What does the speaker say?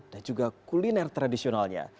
dan juga kuliner tradisionalnya